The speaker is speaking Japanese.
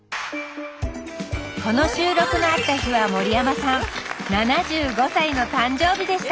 この収録のあった日は森山さん７５歳の誕生日でした！